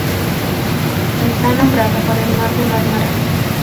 Está nombrado por el mar de Mármara.